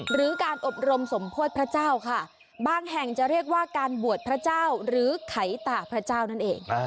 หรือการอบรมสมโพธิพระเจ้าค่ะบางแห่งจะเรียกว่าการบวชพระเจ้าหรือไขตาพระเจ้านั่นเอง